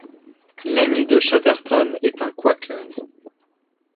L'ami de Chatterton est un quaker.